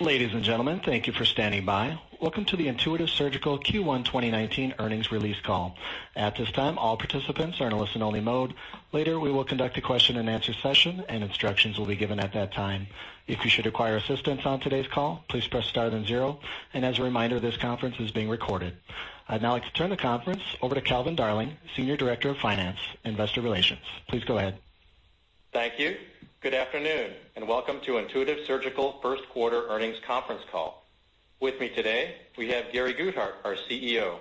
Ladies and gentlemen, thank you for standing by. Welcome to the Intuitive Surgical Q1 2019 earnings release call. At this time, all participants are in listen-only mode. Later, we will conduct a question-and-answer session, and instructions will be given at that time. If you should require assistance on today's call, please press star then zero. As a reminder, this conference is being recorded. I'd now like to turn the conference over to Calvin Darling, Senior Director of Finance, Investor Relations. Please go ahead. Thank you. Good afternoon, and welcome to Intuitive Surgical first quarter earnings conference call. With me today, we have Gary Guthart, our CEO,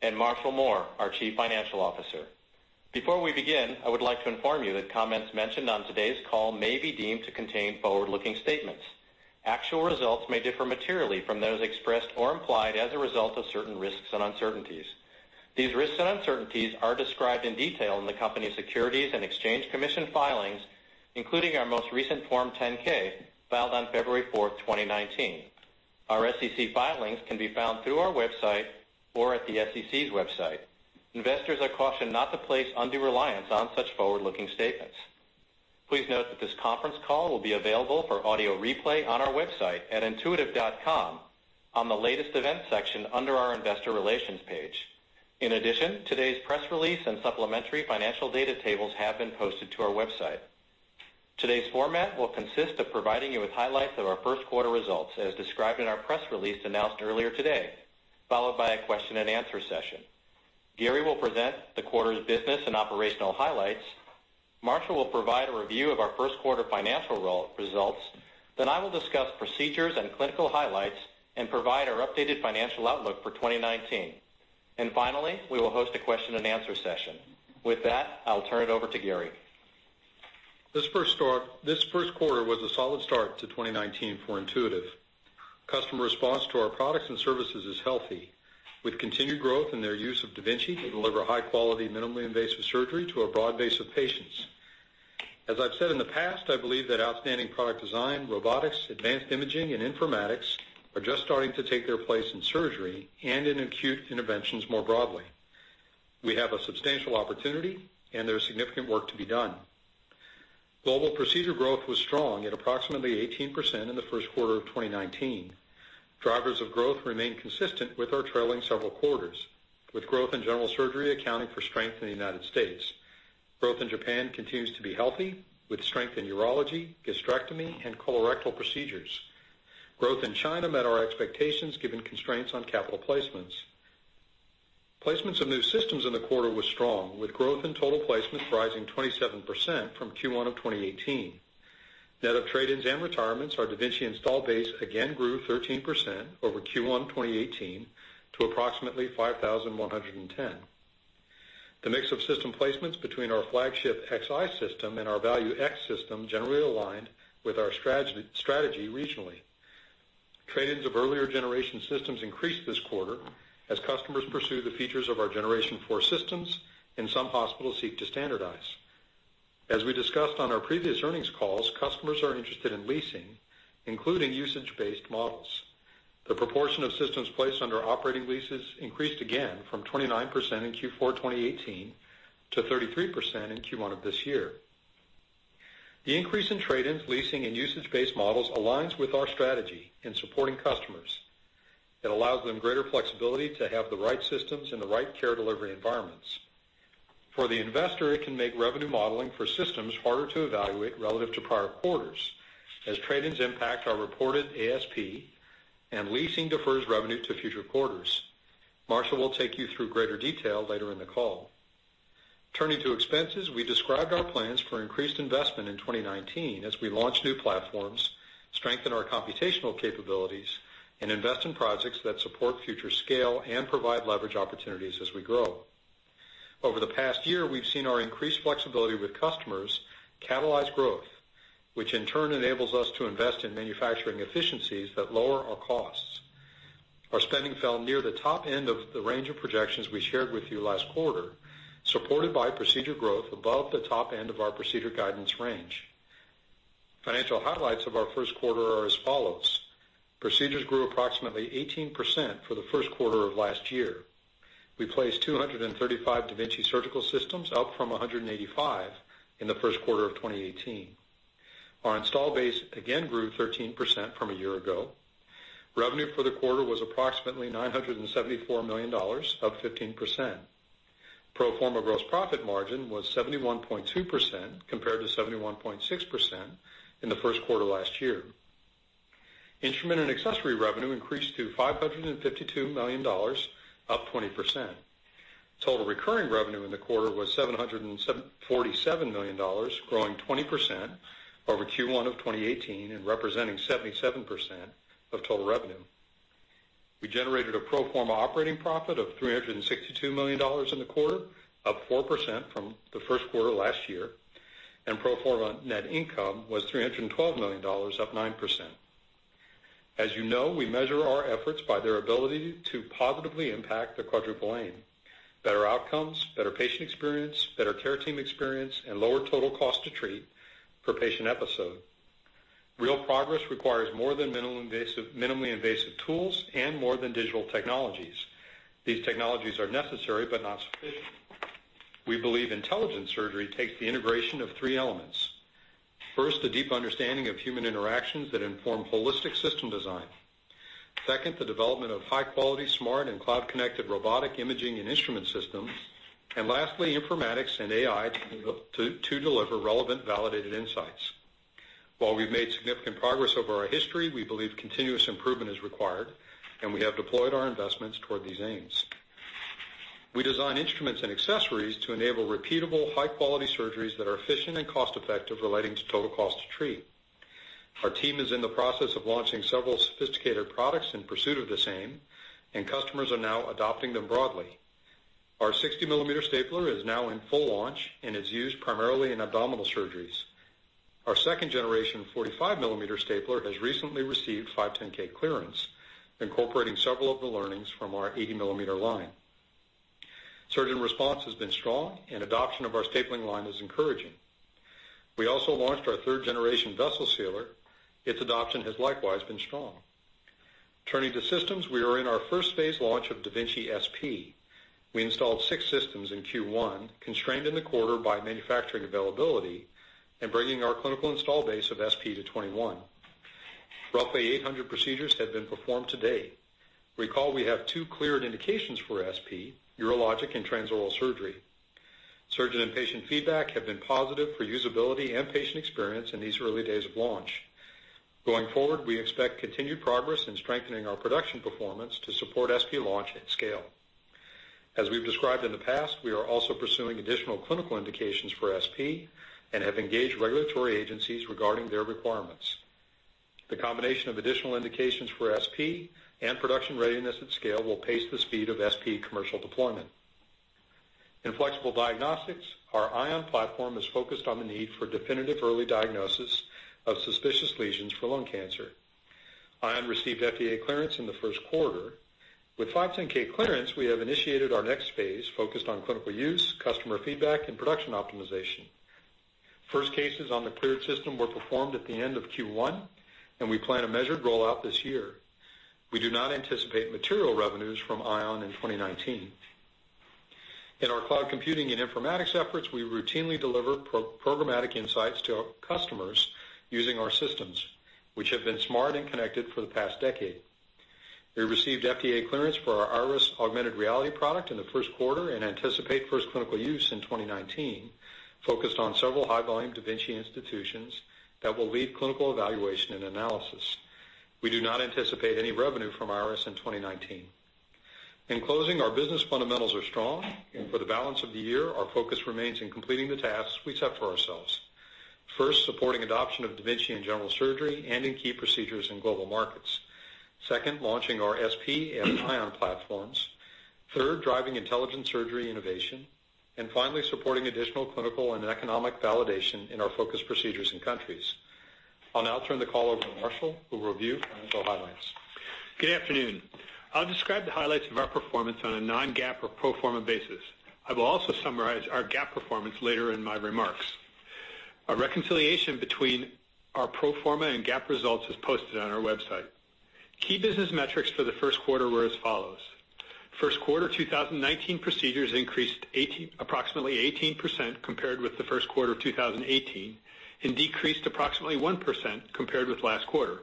and Marshall Mohr, our Chief Financial Officer. Before we begin, I would like to inform you that comments mentioned on today's call may be deemed to contain forward-looking statements. Actual results may differ materially from those expressed or implied as a result of certain risks and uncertainties. These risks and uncertainties are described in detail in the company's Securities and Exchange Commission filings, including our most recent Form 10-K filed on February fourth, 2019. Our SEC filings can be found through our website or at the SEC's website. Investors are cautioned not to place undue reliance on such forward-looking statements. Please note that this conference call will be available for audio replay on our website at intuitive.com on the Latest Events section under our Investor Relations page. In addition, today's press release and supplementary financial data tables have been posted to our website. Today's format will consist of providing you with highlights of our first quarter results, as described in our press release announced earlier today, followed by a question-and-answer session. Gary will present the quarter's business and operational highlights. Marshall will provide a review of our first quarter financial results. I will discuss procedures and clinical highlights and provide our updated financial outlook for 2019. Finally, we will host a question-and-answer session. With that, I'll turn it over to Gary. This first quarter was a solid start to 2019 for Intuitive. Customer response to our products and services is healthy, with continued growth in their use of da Vinci to deliver high-quality, minimally invasive surgery to a broad base of patients. As I've said in the past, I believe that outstanding product design, robotics, advanced imaging, and informatics are just starting to take their place in surgery and in acute interventions more broadly. We have a substantial opportunity, and there's significant work to be done. Global procedure growth was strong at approximately 18% in the first quarter of 2019. Drivers of growth remain consistent with our trailing several quarters, with growth in general surgery accounting for strength in the U.S. Growth in Japan continues to be healthy, with strength in urology, gastrectomy, and colorectal procedures. Growth in China met our expectations, given constraints on capital placements. Placements of new systems in the quarter were strong, with growth in total placements rising 27% from Q1 2018. Net of trade-ins and retirements, our da Vinci install base again grew 13% over Q1 2018 to approximately 5,110. The mix of system placements between our flagship Xi system and our Value X system generally aligned with our strategy regionally. Trade-ins of earlier generation systems increased this quarter as customers pursue the features of our Generation 4 systems and some hospitals seek to standardize. As we discussed on our previous earnings calls, customers are interested in leasing, including usage-based models. The proportion of systems placed under operating leases increased again from 29% in Q4 2018 to 33% in Q1 of this year. The increase in trade-ins, leasing, and usage-based models aligns with our strategy in supporting customers. It allows them greater flexibility to have the right systems in the right care delivery environments. For the investor, it can make revenue modeling for systems harder to evaluate relative to prior quarters, as trade-ins impact our reported ASP and leasing defers revenue to future quarters. Marshall will take you through greater detail later in the call. Turning to expenses, we described our plans for increased investment in 2019 as we launch new platforms, strengthen our computational capabilities, and invest in projects that support future scale and provide leverage opportunities as we grow. Over the past year, we've seen our increased flexibility with customers catalyze growth, which in turn enables us to invest in manufacturing efficiencies that lower our costs. Our spending fell near the top end of the range of projections we shared with you last quarter, supported by procedure growth above the top end of our procedure guidance range. Financial highlights of our first quarter are as follows. Procedures grew approximately 18% for the first quarter of last year. We placed 235 da Vinci surgical systems, up from 185 in the first quarter of 2018. Our install base again grew 13% from a year ago. Revenue for the quarter was approximately $974 million, up 15%. Pro forma gross profit margin was 71.2% compared to 71.6% in the first quarter last year. Instrument and accessory revenue increased to $552 million, up 20%. Total recurring revenue in the quarter was $747 million, growing 20% over Q1 2018 and representing 77% of total revenue. We generated a pro forma operating profit of $362 million in the quarter, up 4% from the first quarter last year, and pro forma net income was $312 million, up 9%. As you know, we measure our efforts by their ability to positively impact the Quadruple Aim: better outcomes, better patient experience, better care team experience, and lower total cost to treat per patient episode. Real progress requires more than minimally invasive tools and more than digital technologies. These technologies are necessary but not sufficient. We believe intelligent surgery takes the integration of three elements. First, a deep understanding of human interactions that inform holistic system design. Second, the development of high-quality, smart, and cloud-connected robotic imaging and instrument systems. Lastly, informatics and AI to deliver relevant, validated insights. While we've made significant progress over our history, we believe continuous improvement is required, we have deployed our investments toward these aims. We design instruments and accessories to enable repeatable, high-quality surgeries that are efficient and cost-effective relating to total cost to treat. Our team is in the process of launching several sophisticated products in pursuit of the same, customers are now adopting them broadly. Our 60-millimeter stapler is now in full launch and is used primarily in abdominal surgeries. Our second generation 45-millimeter stapler has recently received 510 clearance, incorporating several of the learnings from our 80-millimeter line. Surgeon response has been strong, adoption of our stapling line is encouraging. We also launched our third generation Vessel Sealer. Its adoption has likewise been strong. Turning to systems, we are in our first phase launch of da Vinci SP. We installed six systems in Q1, constrained in the quarter by manufacturing availability and bringing our clinical install base of SP to 21. Roughly 800 procedures have been performed to date. Recall we have two cleared indications for SP, urologic and transoral surgery. Surgeon and patient feedback have been positive for usability and patient experience in these early days of launch. Going forward, we expect continued progress in strengthening our production performance to support SP launch at scale. As we've described in the past, we are also pursuing additional clinical indications for SP and have engaged regulatory agencies regarding their requirements. The combination of additional indications for SP and production readiness at scale will pace the speed of SP commercial deployment. In flexible diagnostics, our Ion platform is focused on the need for definitive early diagnosis of suspicious lesions for lung cancer. Ion received FDA clearance in the first quarter. With 510 clearance, we have initiated our next phase focused on clinical use, customer feedback, production optimization. First cases on the cleared system were performed at the end of Q1, we plan a measured rollout this year. We do not anticipate material revenues from Ion in 2019. In our cloud computing and informatics efforts, we routinely deliver programmatic insights to our customers using our systems, which have been smart and connected for the past decade. We received FDA clearance for our IRIS augmented reality product in the first quarter and anticipate first clinical use in 2019, focused on several high-volume da Vinci institutions that will lead clinical evaluation and analysis. We do not anticipate any revenue from IRIS in 2019. In closing, our business fundamentals are strong, for the balance of the year, our focus remains in completing the tasks we set for ourselves. First, supporting adoption of da Vinci in general surgery and in key procedures in global markets. Second, launching our SP and Ion platforms. Third, driving intelligent surgery innovation. Finally, supporting additional clinical and economic validation in our focus procedures and countries. I'll now turn the call over to Marshall, who will review financial highlights. Good afternoon. I'll describe the highlights of our performance on a non-GAAP or pro forma basis. I will also summarize our GAAP performance later in my remarks. A reconciliation between our pro forma and GAAP results is posted on our website. Key business metrics for the first quarter were as follows. First quarter 2019 procedures increased approximately 18% compared with the first quarter of 2018 and decreased approximately 1% compared with last quarter.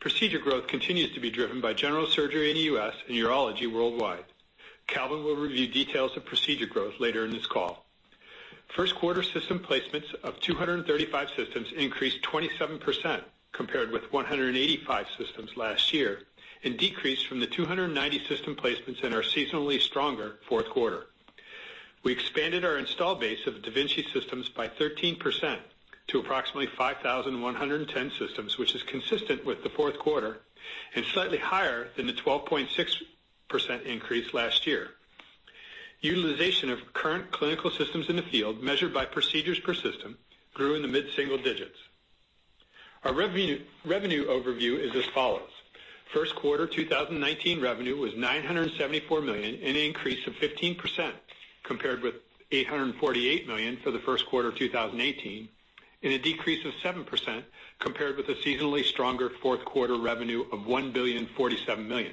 Procedure growth continues to be driven by general surgery in the U.S. and urology worldwide. Calvin will review details of procedure growth later in this call. First quarter system placements of 235 systems increased 27% compared with 185 systems last year and decreased from the 290 system placements in our seasonally stronger fourth quarter. We expanded our install base of da Vinci systems by 13% to approximately 5,110 systems, which is consistent with the fourth quarter and slightly higher than the 12.6% increase last year. Utilization of current clinical systems in the field measured by procedures per system grew in the mid-single digits. Our revenue overview is as follows. First quarter 2019 revenue was $974 million, an increase of 15% compared with $848 million for the first quarter of 2018, and a decrease of 7% compared with the seasonally stronger fourth quarter revenue of $1,047,000,000.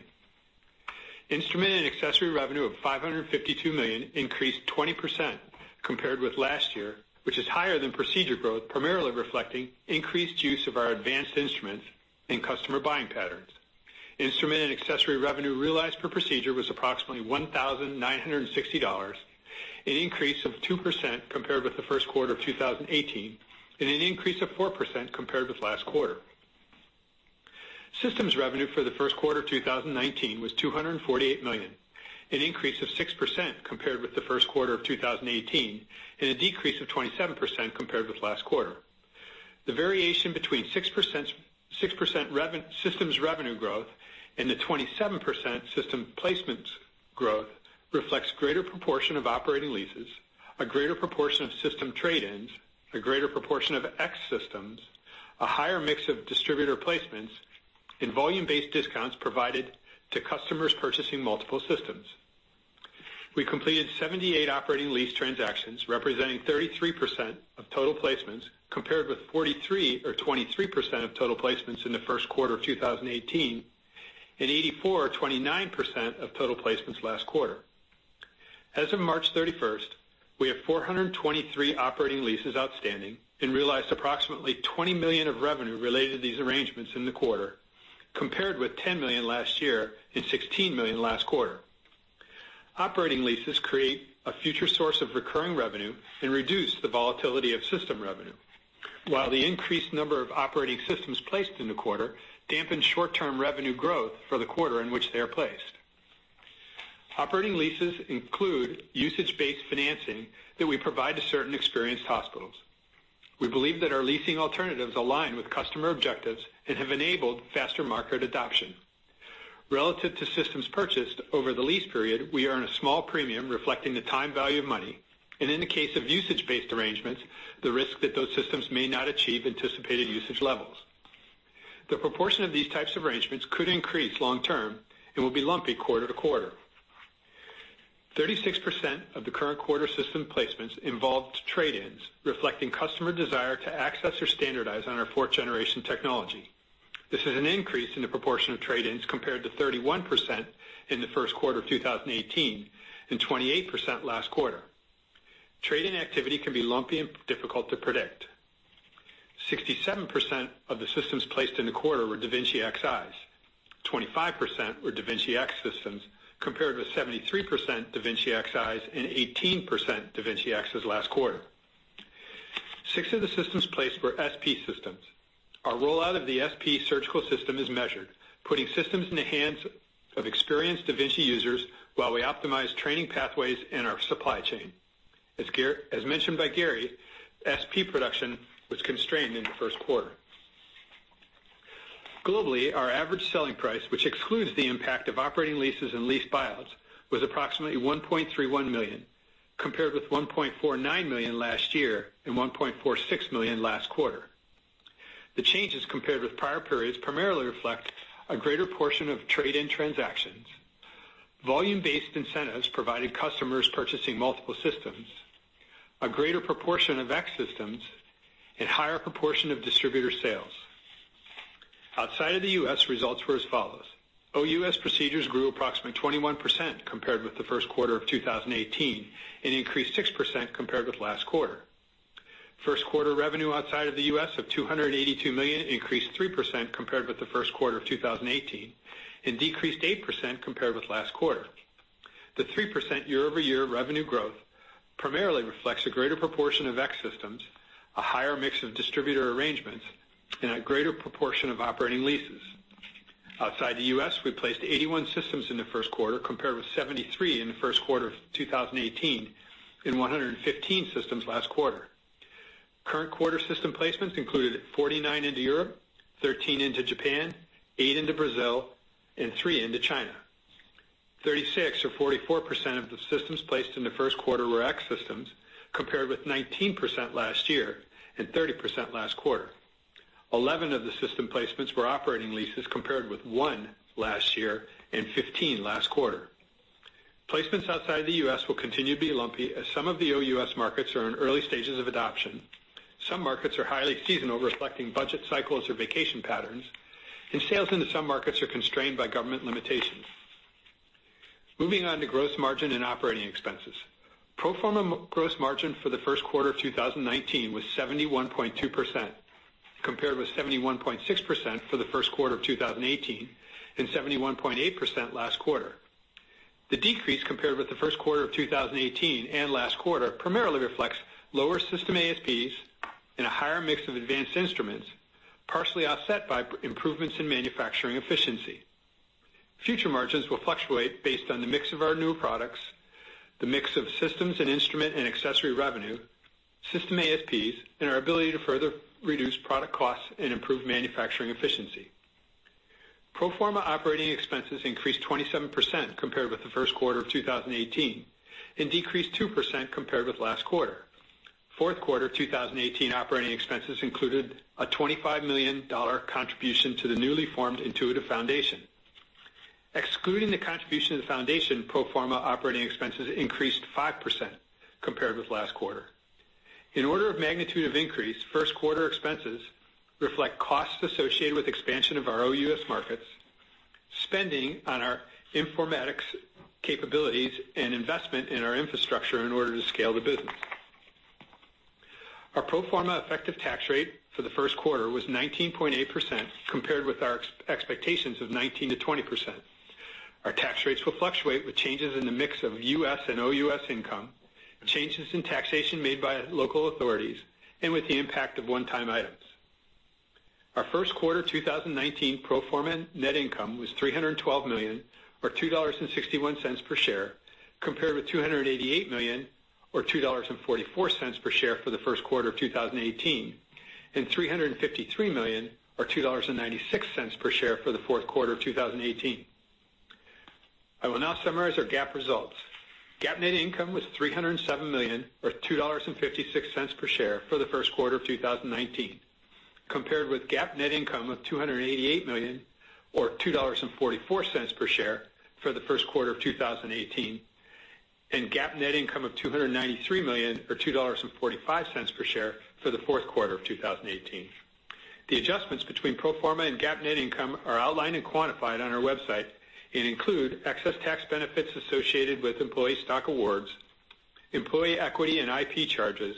Instrument and accessory revenue of $552 million increased 20% compared with last year, which is higher than procedure growth, primarily reflecting increased use of our advanced instruments and customer buying patterns. Instrument and accessory revenue realized per procedure was approximately $1,960, an increase of 2% compared with the first quarter of 2018 and an increase of 4% compared with last quarter. Systems revenue for the first quarter 2019 was $248 million, an increase of 6% compared with the first quarter of 2018 and a decrease of 27% compared with last quarter. The variation between 6% systems revenue growth and the 27% system placements growth reflects greater proportion of operating leases, a greater proportion of system trade-ins, a greater proportion of X systems, a higher mix of distributor placements, and volume-based discounts provided to customers purchasing multiple systems. We completed 78 operating lease transactions, representing 33% of total placements, compared with 43 or 23% of total placements in the first quarter of 2018. 84, 29% of total placements last quarter. As of March 31st, we have 423 operating leases outstanding and realized approximately $20 million of revenue related to these arrangements in the quarter, compared with $10 million last year and $16 million last quarter. Operating leases create a future source of recurring revenue and reduce the volatility of system revenue, while the increased number of operating systems placed in the quarter dampened short-term revenue growth for the quarter in which they are placed. Operating leases include usage-based financing that we provide to certain experienced hospitals. We believe that our leasing alternatives align with customer objectives and have enabled faster market adoption. Relative to systems purchased over the lease period, we earn a small premium reflecting the time value of money, and in the case of usage-based arrangements, the risk that those systems may not achieve anticipated usage levels. The proportion of these types of arrangements could increase long term and will be lumpy quarter to quarter. 36% of the current quarter system placements involved trade-ins reflecting customer desire to access or standardize on our fourth-generation technology. This is an increase in the proportion of trade-ins compared to 31% in the first quarter of 2018 and 28% last quarter. Trade-in activity can be lumpy and difficult to predict. 67% of the systems placed in the quarter were da Vinci Xis. 25% were da Vinci X systems, compared with 73% da Vinci Xis and 18% da Vinci Xs last quarter. Six of the systems placed were SP systems. Our rollout of the SP surgical system is measured, putting systems in the hands of experienced da Vinci users while we optimize training pathways in our supply chain. As mentioned by Gary, SP production was constrained in the first quarter. Globally, our average selling price, which excludes the impact of operating leases and lease buyouts, was approximately $1.31 million, compared with $1.49 million last year and $1.46 million last quarter. The changes compared with prior periods primarily reflect a greater portion of trade-in transactions, volume-based incentives providing customers purchasing multiple systems, a greater proportion of X systems, and higher proportion of distributor sales. Outside of the U.S., results were as follows: OUS procedures grew approximately 21% compared with the first quarter of 2018 and increased 6% compared with last quarter. First quarter revenue outside of the U.S. of $282 million increased 3% compared with the first quarter of 2018 and decreased 8% compared with last quarter. The 3% year-over-year revenue growth primarily reflects a greater proportion of X systems, a higher mix of distributor arrangements, and a greater proportion of operating leases. Outside the U.S., we placed 81 systems in the first quarter, compared with 73 in the first quarter of 2018 and 115 systems last quarter. Current quarter system placements included 49 into Europe, 13 into Japan, eight into Brazil, and three into China. 36 or 44% of the systems placed in the first quarter were X systems, compared with 19% last year and 30% last quarter. 11 of the system placements were operating leases compared with one last year and 15 last quarter. Placements outside the U.S. will continue to be lumpy as some of the OUS markets are in early stages of adoption. Some markets are highly seasonal, reflecting budget cycles or vacation patterns, and sales into some markets are constrained by government limitations. Moving on to gross margin and operating expenses. Pro forma gross margin for the first quarter of 2019 was 71.2%, compared with 71.6% for the first quarter of 2018 and 71.8% last quarter. The decrease compared with the first quarter of 2018 and last quarter primarily reflects lower system ASPs and a higher mix of advanced instruments, partially offset by improvements in manufacturing efficiency. Future margins will fluctuate based on the mix of our newer products, the mix of systems and instrument and accessory revenue, system ASPs, and our ability to further reduce product costs and improve manufacturing efficiency. Pro forma operating expenses increased 27% compared with the first quarter of 2018 and decreased 2% compared with last quarter. Fourth quarter 2018 operating expenses included a $25 million contribution to the newly formed Intuitive Foundation. Excluding the contribution to the foundation, pro forma operating expenses increased 5% compared with last quarter. In order of magnitude of increase, first quarter expenses reflect costs associated with expansion of our OUS markets, spending on our informatics capabilities, and investment in our infrastructure in order to scale the business. Our pro forma effective tax rate for the first quarter was 19.8%, compared with our expectations of 19%-20%. Our tax rates will fluctuate with changes in the mix of U.S. and OUS income, changes in taxation made by local authorities, and with the impact of one-time items. Our first quarter 2019 pro forma net income was $312 million or $2.61 per share, compared with $288 million or $2.44 per share for the first quarter of 2018 and $353 million or $2.96 per share for the fourth quarter of 2018. I will now summarize our GAAP results. GAAP net income was $307 million, or $2.56 per share for the first quarter of 2019, compared with GAAP net income of $288 million or $2.44 per share for the first quarter of 2018. GAAP net income of $293 million, or $2.45 per share for the fourth quarter of 2018. The adjustments between pro forma and GAAP net income are outlined and quantified on our website and include excess tax benefits associated with employee stock awards, employee equity and IP charges,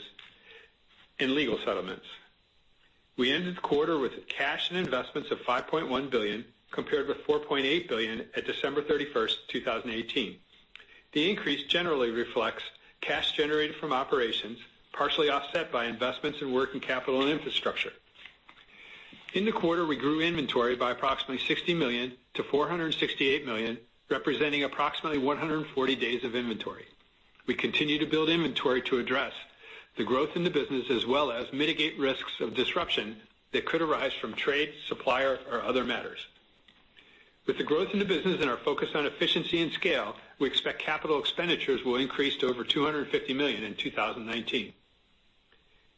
and legal settlements. We ended the quarter with cash and investments of $5.1 billion, compared with $4.8 billion at December 31st, 2018. The increase generally reflects cash generated from operations, partially offset by investments in working capital and infrastructure. In the quarter, we grew inventory by approximately $60 million to $468 million, representing approximately 140 days of inventory. We continue to build inventory to address the growth in the business, as well as mitigate risks of disruption that could arise from trade, supplier, or other matters. With the growth in the business and our focus on efficiency and scale, we expect capital expenditures will increase to over $250 million in 2019.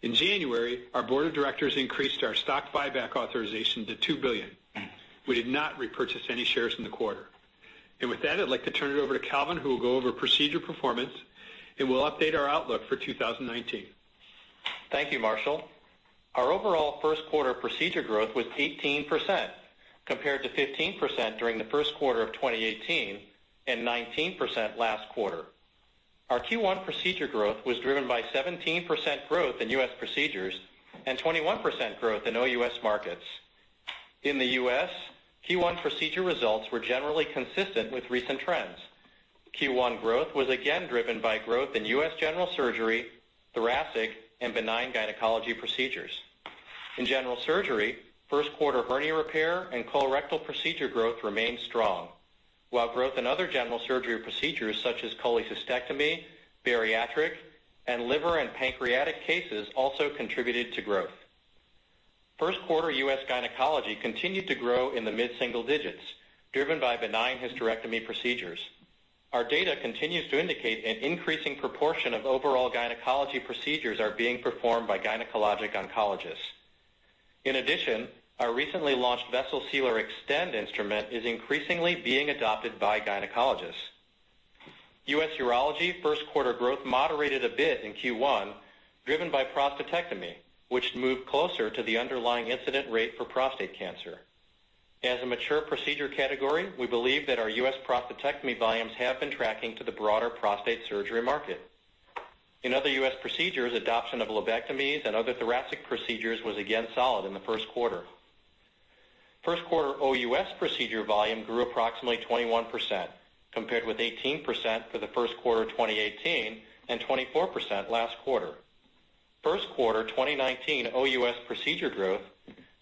In January, our board of directors increased our stock buyback authorization to $2 billion. We did not repurchase any shares in the quarter. With that, I'd like to turn it over to Calvin, who will go over procedure performance and will update our outlook for 2019. Thank you, Marshall. Our overall first quarter procedure growth was 18%, compared to 15% during the first quarter of 2018 and 19% last quarter. Our Q1 procedure growth was driven by 17% growth in U.S. procedures and 21% growth in OUS markets. In the U.S., Q1 procedure results were generally consistent with recent trends. Q1 growth was again driven by growth in U.S. general surgery, thoracic, and benign gynecology procedures. In general surgery, first quarter hernia repair and colorectal procedure growth remained strong, while growth in other general surgery procedures such as cholecystectomy, bariatric, and liver and pancreatic cases also contributed to growth. First quarter U.S. gynecology continued to grow in the mid-single digits, driven by benign hysterectomy procedures. Our data continues to indicate an increasing proportion of overall gynecology procedures are being performed by gynecologic oncologists. In addition, our recently launched Vessel Sealer Extend instrument is increasingly being adopted by gynecologists. U.S. urology first quarter growth moderated a bit in Q1, driven by prostatectomy, which moved closer to the underlying incident rate for prostate cancer. As a mature procedure category, we believe that our U.S. prostatectomy volumes have been tracking to the broader prostate surgery market. In other U.S. procedures, adoption of lobectomies and other thoracic procedures was again solid in the first quarter. First quarter OUS procedure volume grew approximately 21%, compared with 18% for the first quarter of 2018 and 24% last quarter. First quarter 2019 OUS procedure growth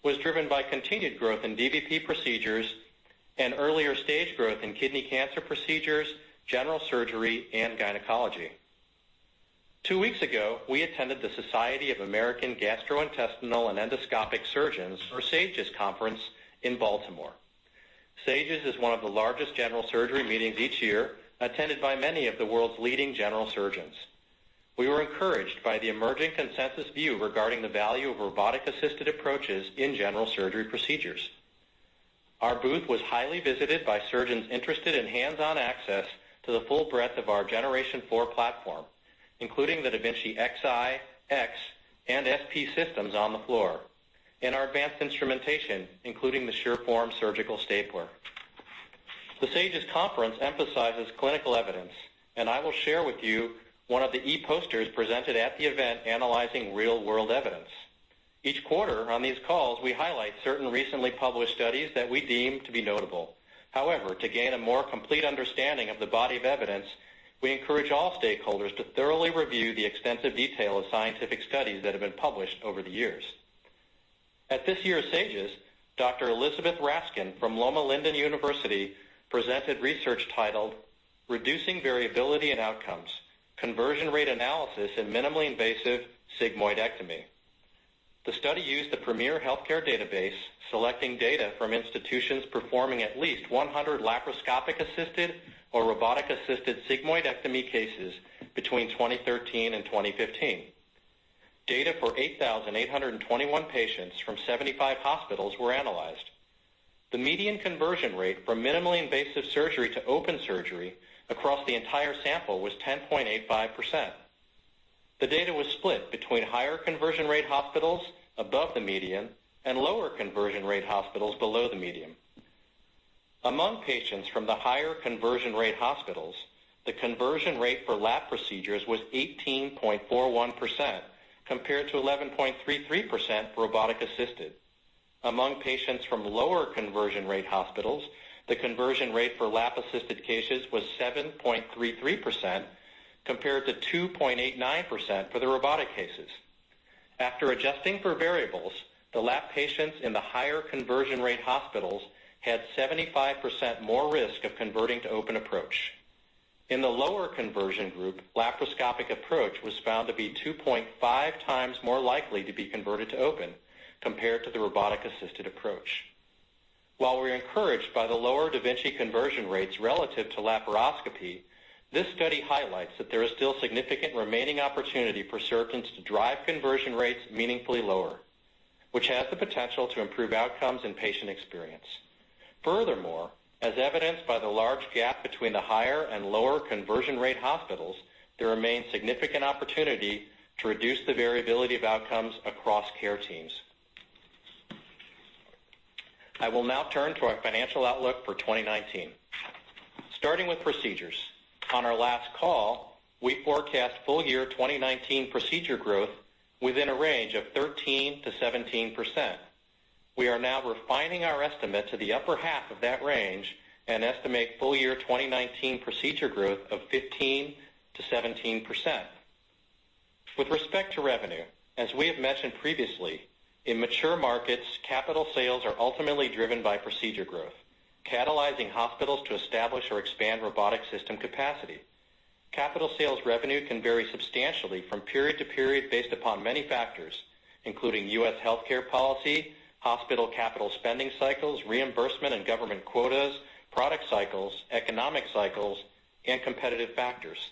was driven by continued growth in dVP procedures and earlier stage growth in kidney cancer procedures, general surgery, and gynecology. Two weeks ago, we attended the Society of American Gastrointestinal and Endoscopic Surgeons, or SAGES, conference in Baltimore. SAGES is one of the largest general surgery meetings each year, attended by many of the world's leading general surgeons. We were encouraged by the emerging consensus view regarding the value of robotic-assisted approaches in general surgery procedures. Our booth was highly visited by surgeons interested in hands-on access to the full breadth of our generation four platform, including the da Vinci Xi, X, and SP systems on the floor, and our advanced instrumentation, including the SureForm surgical stapler. The SAGES conference emphasizes clinical evidence, and I will share with you one of the e-posters presented at the event analyzing real-world evidence. Each quarter on these calls, we highlight certain recently published studies that we deem to be notable. However, to gain a more complete understanding of the body of evidence, we encourage all stakeholders to thoroughly review the extensive detail of scientific studies that have been published over the years. At this year's SAGES, Dr. Elizabeth Raskin from Loma Linda University presented research titled "Reducing Variability in Outcomes: Conversion Rate Analysis in Minimally Invasive Sigmoidectomy." The study used the Premier Healthcare Database, selecting data from institutions performing at least 100 laparoscopic-assisted or robotic-assisted sigmoidectomy cases between 2013 and 2015. Data for 8,821 patients from 75 hospitals were analyzed. The median conversion rate from minimally invasive surgery to open surgery across the entire sample was 10.85%. The data was split between higher conversion rate hospitals above the median and lower conversion rate hospitals below the median. Among patients from the higher conversion rate hospitals, the conversion rate for lap procedures was 18.41%, compared to 11.33% for robotic-assisted. Among patients from lower conversion rate hospitals, the conversion rate for lap-assisted cases was 7.33%, compared to 2.89% for the robotic cases. After adjusting for variables, the lap patients in the higher conversion rate hospitals had 75% more risk of converting to open approach. In the lower conversion group, laparoscopic approach was found to be 2.5 times more likely to be converted to open, compared to the robotic-assisted approach. While we're encouraged by the lower da Vinci conversion rates relative to laparoscopy, this study highlights that there is still significant remaining opportunity for surgeons to drive conversion rates meaningfully lower, which has the potential to improve outcomes and patient experience. Furthermore, as evidenced by the large gap between the higher and lower conversion rate hospitals, there remains significant opportunity to reduce the variability of outcomes across care teams. I will now turn to our financial outlook for 2019. Starting with procedures. On our last call, we forecast full year 2019 procedure growth within a range of 13%-17%. We are now refining our estimate to the upper half of that range and estimate full year 2019 procedure growth of 15%-17%. With respect to revenue, as we have mentioned previously, in mature markets, capital sales are ultimately driven by procedure growth, catalyzing hospitals to establish or expand robotic system capacity. Capital sales revenue can vary substantially from period to period based upon many factors, including U.S. healthcare policy, hospital capital spending cycles, reimbursement and government quotas, product cycles, economic cycles, and competitive factors.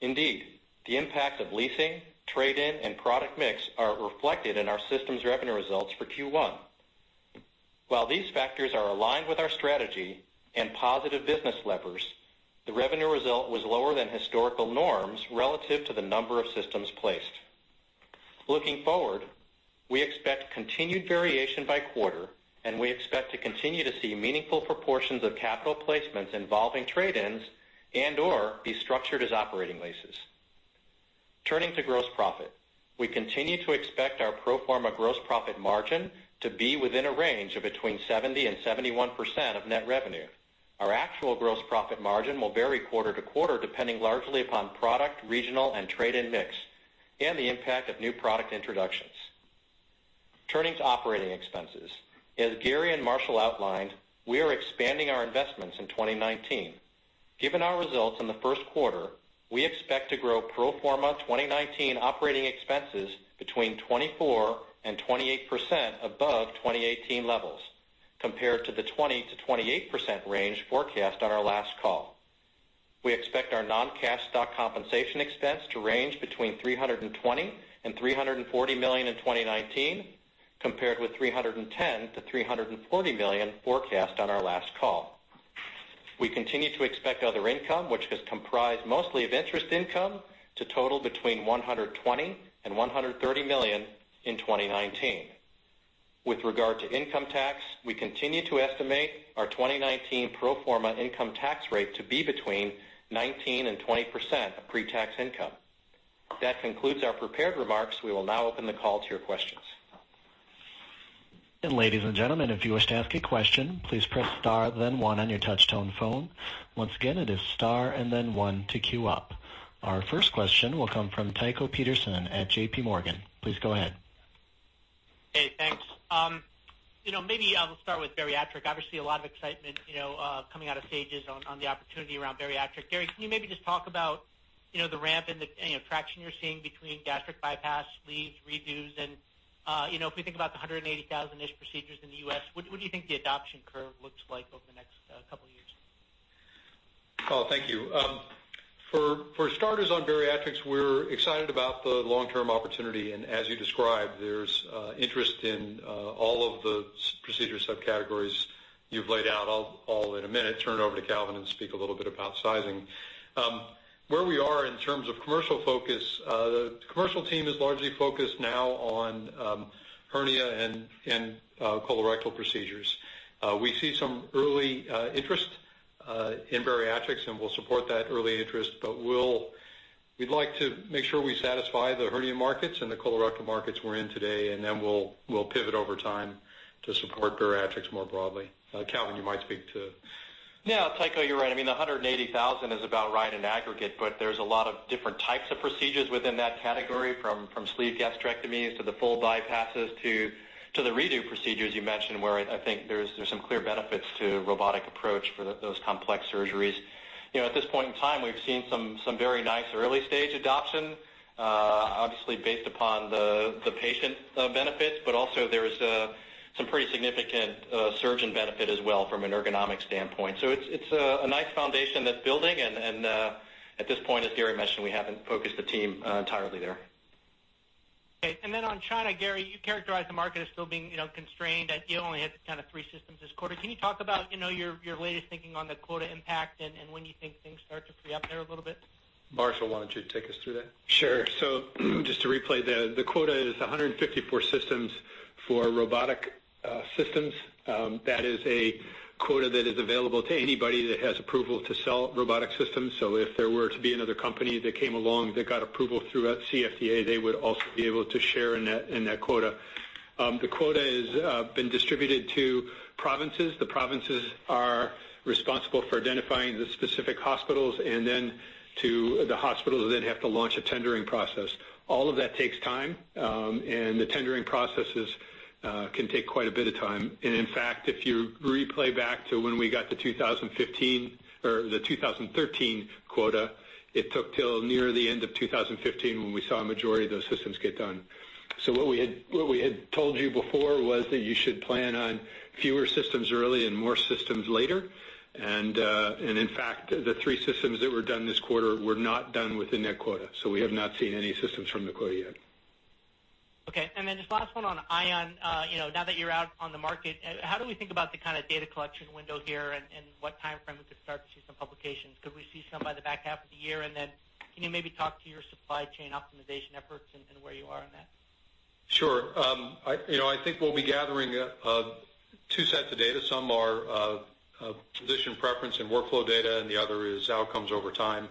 Indeed, the impact of leasing, trade-in, and product mix are reflected in our systems revenue results for Q1. While these factors are aligned with our strategy and positive business levers, the revenue result was lower than historical norms relative to the number of systems placed. Looking forward, we expect continued variation by quarter, and we expect to continue to see meaningful proportions of capital placements involving trade-ins and/or be structured as operating leases. Turning to gross profit. We continue to expect our pro forma gross profit margin to be within a range of between 70% and 71% of net revenue. Our actual gross profit margin will vary quarter to quarter, depending largely upon product, regional, and trade-in mix, and the impact of new product introductions. Turning to operating expenses. As Gary and Marshall outlined, we are expanding our investments in 2019. Given our results in the first quarter, we expect to grow pro forma 2019 operating expenses between 24% and 28% above 2018 levels compared to the 20%-28% range forecast on our last call. We expect our non-cash stock compensation expense to range between $320 million and $340 million in 2019, compared with $310 million-$340 million forecast on our last call. We continue to expect other income, which is comprised mostly of interest income, to total between $120 million and $130 million in 2019. With regard to income tax, we continue to estimate our 2019 pro forma income tax rate to be between 19% and 20% of pre-tax income. That concludes our prepared remarks. We will now open the call to your questions. Ladies and gentlemen, if you wish to ask a question, please press star 1 on your touch tone phone. Once again, it is star 1 to queue up. Our first question will come from Tycho Peterson at JPMorgan. Please go ahead. Hey, thanks. Maybe I will start with bariatric. Obviously, a lot of excitement coming out of SAGES on the opportunity around bariatric. Gary, can you maybe just talk about the ramp and the traction you're seeing between gastric bypass, sleeves, redos, and if we think about the 180,000-ish procedures in the U.S., what do you think the adoption curve looks like over the next couple of years? Oh, thank you. For starters, on bariatrics, we're excited about the long-term opportunity, and as you described, there's interest in all of the procedure subcategories you've laid out. I'll in a minute turn it over to Calvin and speak a little bit about sizing. Where we are in terms of commercial focus, the commercial team is largely focused now on hernia and colorectal procedures. We see some early interest in bariatrics. We'll support that early interest, but we'd like to make sure we satisfy the hernia markets and the colorectal markets we're in today. We'll pivot over time to support bariatrics more broadly. Calvin, you might speak to. Yeah, Tycho, you're right. I mean, 180,000 is about right in aggregate. There's a lot of different types of procedures within that category, from sleeve gastrectomies to the full bypasses to the redo procedures you mentioned, where I think there's some clear benefits to robotic approach for those complex surgeries. At this point in time, we've seen some very nice early-stage adoption. Obviously based upon the patient benefits. Also, there's some pretty significant surgeon benefit as well from an ergonomic standpoint. It's a nice foundation that's building. At this point, as Gary mentioned, we haven't focused the team entirely there. Okay. On China, Gary, you characterize the market as still being constrained. You only had kind of three systems this quarter. Can you talk about your latest thinking on the quota impact and when you think things start to free up there a little bit? Marshall, why don't you take us through that? Sure. Just to replay, the quota is 154 systems for robotic systems. That is a quota that is available to anybody that has approval to sell robotic systems. If there were to be another company that came along that got approval through CFDA, they would also be able to share in that quota. The quota has been distributed to provinces. The provinces are responsible for identifying the specific hospitals, and then the hospitals then have to launch a tendering process. All of that takes time, and the tendering processes can take quite a bit of time. In fact, if you replay back to when we got the 2015 or the 2013 quota, it took till near the end of 2015 when we saw a majority of those systems get done. What we had told you before was that you should plan on fewer systems early and more systems later. In fact, the three systems that were done this quarter were not done within that quota. We have not seen any systems from the quota yet. Okay. Then just last one on Ion. Now that you're out on the market, how do we think about the kind of data collection window here and what timeframe we could start to see some publications? Could we see some by the back half of the year? Then can you maybe talk to your supply chain optimization efforts and where you are on that? Sure. I think we'll be gathering two sets of data. Some are position preference and workflow data, and the other is outcomes over time.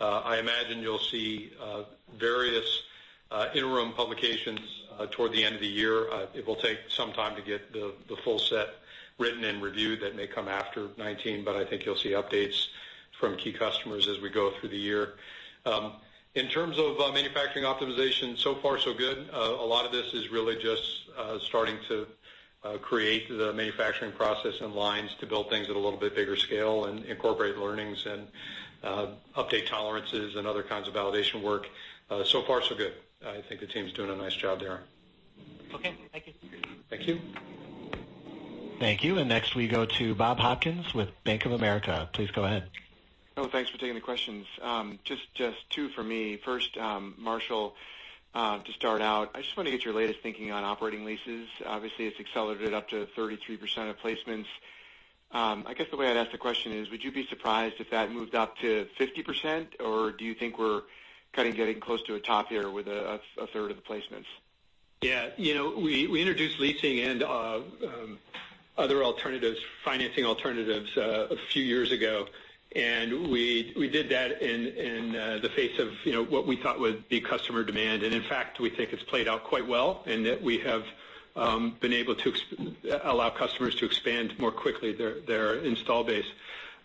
I imagine you'll see various interim publications toward the end of the year. It will take some time to get the full set written and reviewed that may come after 2019, but I think you'll see updates from key customers as we go through the year. In terms of manufacturing optimization, so far so good. A lot of this is really just starting to create the manufacturing process and lines to build things at a little bit bigger scale and incorporate learnings and update tolerances and other kinds of validation work. So far so good. I think the team's doing a nice job there. Okay, thank you. Thank you. Thank you. Next we go to Bob Hopkins with Bank of America. Please go ahead. Oh, thanks for taking the questions. Just two for me. First, Marshall, to start out, I just want to get your latest thinking on operating leases. Obviously, it's accelerated up to 33% of placements. I guess the way I'd ask the question is, would you be surprised if that moved up to 50% or do you think we're kind of getting close to a top here with a third of the placements? Yeah. We introduced leasing and other alternatives, financing alternatives, a few years ago. We did that in the face of what we thought would be customer demand. In fact, we think it's played out quite well in that we have been able to allow customers to expand more quickly their install base.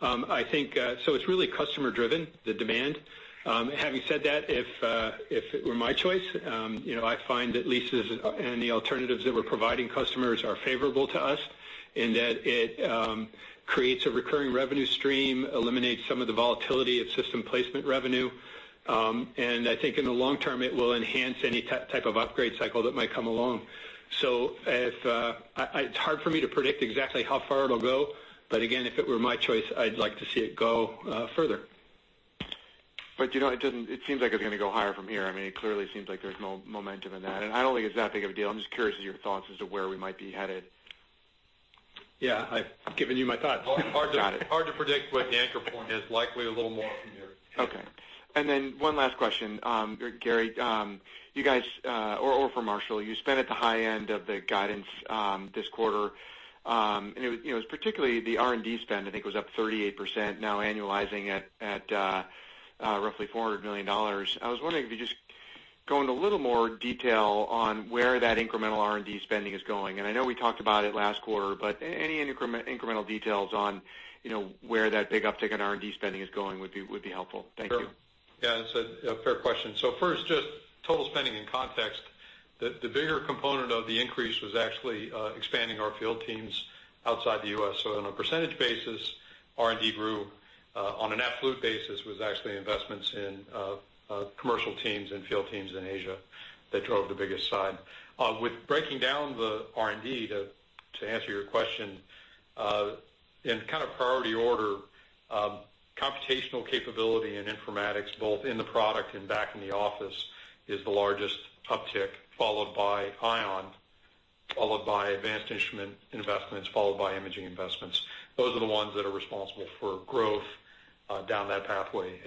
It's really customer-driven, the demand. Having said that, if it were my choice, I find that leases and the alternatives that we're providing customers are favorable to us in that it creates a recurring revenue stream, eliminates some of the volatility of system placement revenue, and I think in the long term, it will enhance any type of upgrade cycle that might come along. It's hard for me to predict exactly how far it'll go, but again, if it were my choice, I'd like to see it go further. It seems like it's going to go higher from here. It clearly seems like there's momentum in that, and I don't think it's that big of a deal. I'm just curious as to your thoughts as to where we might be headed. Yeah, I've given you my thoughts. Hard to predict what the anchor point is. Likely a little more from here. Okay. One last question. Gary, you guys, or for Marshall, you spent at the high end of the guidance this quarter. It was particularly the R&D spend, I think it was up 38% now annualizing at roughly $400 million. I was wondering if you just go into a little more detail on where that incremental R&D spending is going, I know we talked about it last quarter, but any incremental details on where that big uptick in R&D spending is going would be helpful. Thank you. Yeah, it's a fair question. First, just total spending in context. The bigger component of the increase was actually expanding our field teams outside the U.S. On a percentage basis, R&D grew. On an absolute basis, was actually investments in commercial teams and field teams in Asia that drove the biggest side. With breaking down the R&D, to answer your question, in kind of priority order, computational capability and informatics, both in the product and back in the office, is the largest uptick, followed by Ion, followed by advanced instrument investments, followed by imaging investments. Those are the ones that are responsible for growth down that pathway.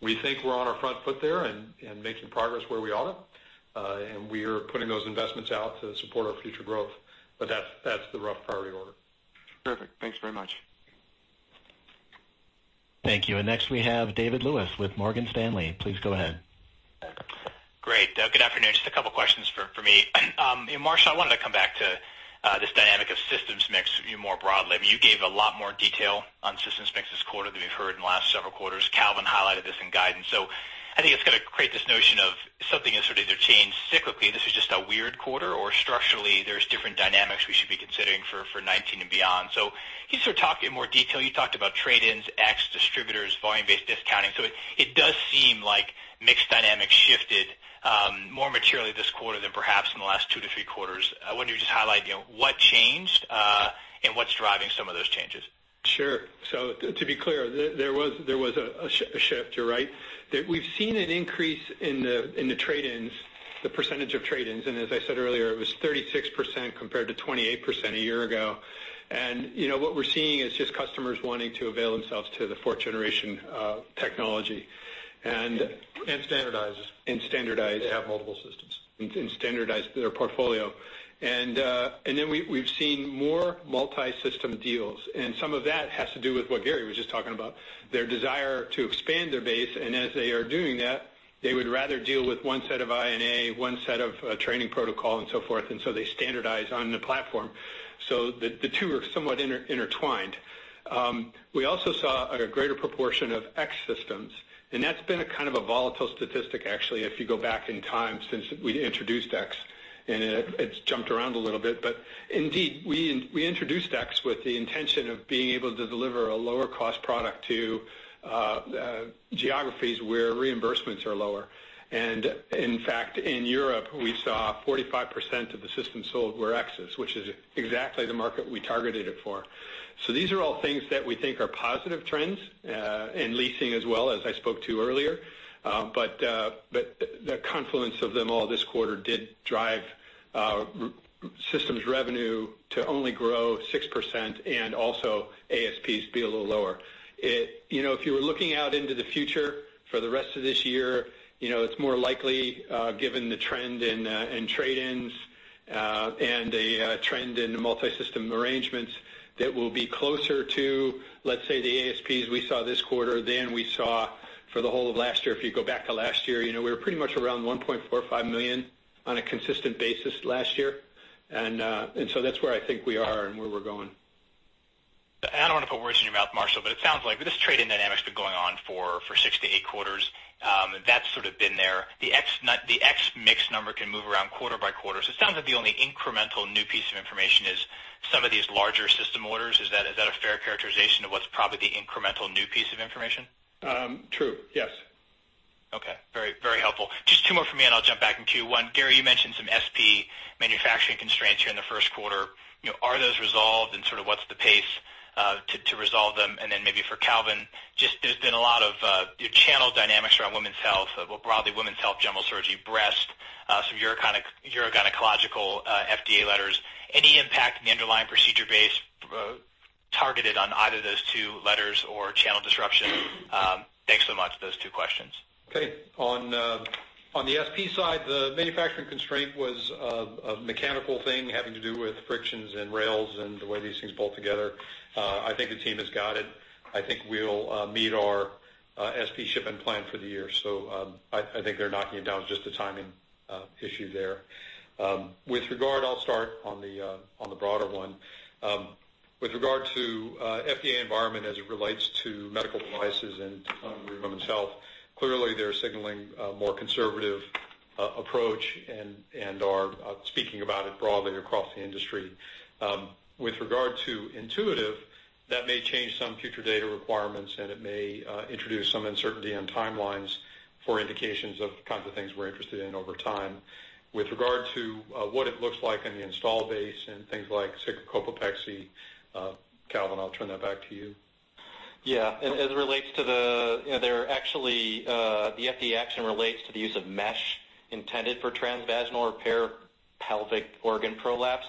We think we're on our front foot there and making progress where we ought to. We're putting those investments out to support our future growth, but that's the rough priority order. Perfect. Thanks very much. Thank you. Next we have David Lewis with Morgan Stanley. Please go ahead. Great. Good afternoon. Just a couple questions for me. Marshall, I wanted to come back to this dynamic of systems mix more broadly. You gave a lot more detail on systems mix this quarter than we've heard in the last several quarters. Calvin highlighted this in guidance. I think it's going to create this notion of something has sort of either changed cyclically, this is just a weird quarter, or structurally, there's different dynamics we should be considering for 2019 and beyond. Can you sort of talk in more detail? You talked about trade-ins, X distributors, volume-based discounting. It does seem like mix dynamics shifted more materially this quarter than perhaps in the last two to three quarters. I wonder if you could just highlight what changed, and what's driving some of those changes. Sure. To be clear, there was a shift. You're right. We've seen an increase in the trade-ins, the percentage of trade-ins, and as I said earlier, it was 36% compared to 28% a year ago. What we're seeing is just customers wanting to avail themselves to the fourth-generation technology. Standardized. Standardized. They have multiple systems. Standardize their portfolio. We've seen more multi-system deals, and some of that has to do with what Gary was just talking about, their desire to expand their base, and as they are doing that, they would rather deal with one set of I&A, one set of training protocol and so forth, and so they standardize on the platform. The two are somewhat intertwined. We also saw a greater proportion of X systems, and that's been a kind of a volatile statistic, actually, if you go back in time since we introduced X, and it's jumped around a little bit. Indeed, we introduced X with the intention of being able to deliver a lower cost product to geographies where reimbursements are lower. In fact, in Europe, we saw 45% of the systems sold were X's, which is exactly the market we targeted it for. These are all things that we think are positive trends, and leasing as well, as I spoke to earlier. The confluence of them all this quarter did drive systems revenue to only grow 6%, and also ASPs be a little lower. If you were looking out into the future for the rest of this year, it's more likely, given the trend in trade-ins and the trend in the multi-system arrangements, that we'll be closer to, let's say, the ASPs we saw this quarter than we saw for the whole of last year. If you go back to last year, we were pretty much around $1.45 million on a consistent basis last year. That's where I think we are and where we're going. I don't want to put words in your mouth, Marshall, but it sounds like this trade-in dynamic's been going on for six to eight quarters. That's sort of been there. The ex mix number can move around quarter by quarter. It sounds like the only incremental new piece of information is some of these larger system orders. Is that a fair characterization of what's probably the incremental new piece of information? True. Yes. Okay. Very helpful. Just two more for me, and I'll jump back in queue. One, Gary, you mentioned some SP manufacturing constraints here in the first quarter. Are those resolved and sort of what's the pace to resolve them? Then maybe for Calvin, there's been a lot of channel dynamics around women's health, broadly women's health, general surgery, breast, some urogynecological FDA letters. Any impact in the underlying procedure base targeted on either those two letters or channel disruption? Thanks so much. Those two questions. Okay. On the SP side, the manufacturing constraint was a mechanical thing having to do with frictions and rails and the way these things bolt together. I think the team has got it. I think we'll meet our SP shipment plan for the year. I think they're knocking it down. It's just a timing issue there. I'll start on the broader one. With regard to FDA environment as it relates to medical devices and women's health, clearly, they're signaling a more conservative approach and are speaking about it broadly across the industry. With regard to Intuitive, that may change some future data requirements, and it may introduce some uncertainty on timelines for indications of the kinds of things we're interested in over time. With regard to what it looks like in the install base and things like sacrocolpopexy, Calvin, I'll turn that back to you. Yeah. The FDA action relates to the use of mesh intended for transvaginal repair pelvic organ prolapse.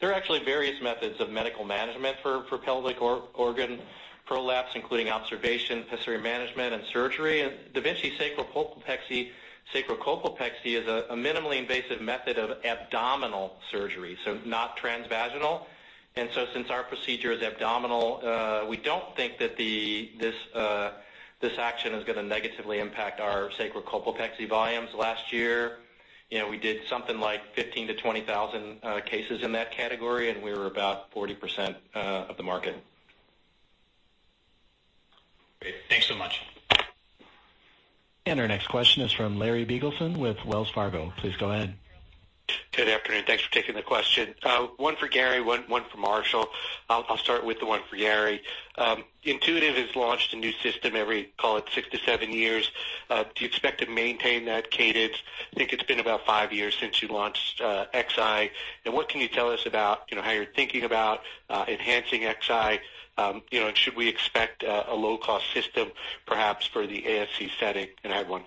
There are actually various methods of medical management for pelvic organ prolapse, including observation, pessary management, and surgery. da Vinci sacrocolpopexy is a minimally invasive method of abdominal surgery, so not transvaginal. Since our procedure is abdominal, we don't think that this action is going to negatively impact our sacrocolpopexy volumes. Last year, we did something like 15,000-20,000 cases in that category, and we were about 40% of the market. Great. Thanks so much. Our next question is from Larry Biegelsen with Wells Fargo. Please go ahead. Good afternoon. Thanks for taking the question. One for Gary, one for Marshall. I'll start with the one for Gary. Intuitive has launched a new system every, call it six to seven years. Do you expect to maintain that cadence? I think it's been about five years since you launched Xi. What can you tell us about how you're thinking about enhancing Xi? Should we expect a low-cost system perhaps for the ASC setting? I have one